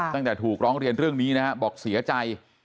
ตั้งแต่ถูกร้องเรียนเรื่องนี้นะครับบอกเสียใจ